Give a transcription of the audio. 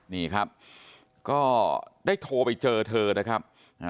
นี่ครับก็ได้โทรไปเจอเธอนะครับ